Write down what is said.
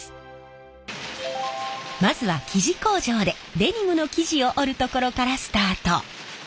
まずは生地工場でデニムの生地を織るところからスタート。